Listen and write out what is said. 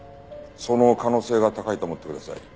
その可能性が高いと思ってください。